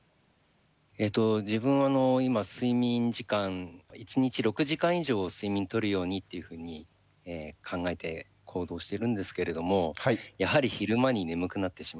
えっと自分あの今睡眠時間一日６時間以上睡眠とるようにっていうふうに考えて行動してるんですけれどもやはり昼間に眠くなってしまうんですね。